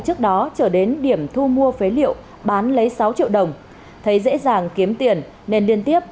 trước đó trở đến điểm thu mua phế liệu bán lấy sáu triệu đồng thấy dễ dàng kiếm tiền nên liên tiếp